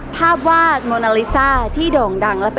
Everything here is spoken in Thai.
ภาพวาดโมนาลีซ่า